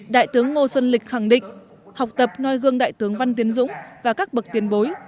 đại tướng ngô xuân lịch khẳng định học tập noi gương đại tướng văn tiến dũng và các bậc tiền bối